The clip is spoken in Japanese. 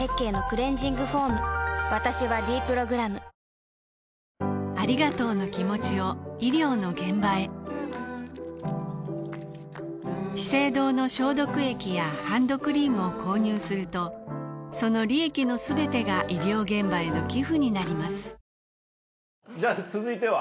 私は「ｄプログラム」資生堂の消毒液やハンドクリームを購入するとその利益のすべてが医療現場への寄付になりますじゃあ続いては？